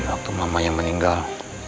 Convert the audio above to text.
di waktu mamanya meninggal